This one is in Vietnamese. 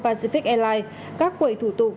pacific airlines các quầy thủ tục